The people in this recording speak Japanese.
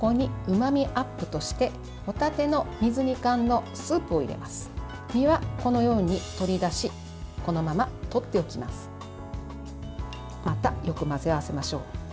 またよく混ぜ合わせましょう。